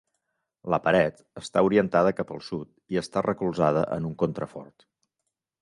La paret està orientada cap al sud i està recolzada en un contrafort.